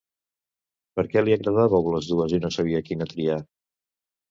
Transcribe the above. Perquè li agradàveu les dues i no sabia quina triar?